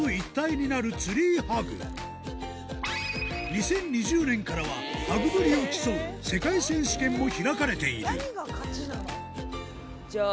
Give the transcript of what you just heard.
２０２０年からはハグぶりを競う世界選手権も開かれている何が勝ちなの？